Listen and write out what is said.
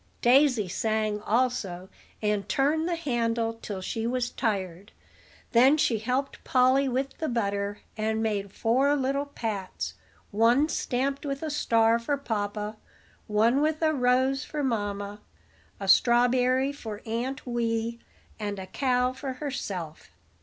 Daisy sang also, and turned the handle till she was tired; then she helped Polly with the butter, and made four little pats, one stamped with a star for papa, one with a rose for mamma, a strawberry for Aunt Wee, and a cow for herself.